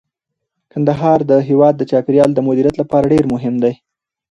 کندهار د هیواد د چاپیریال د مدیریت لپاره ډیر مهم دی.